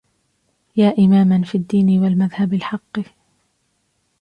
يا إماما في الدين والمذهب الحق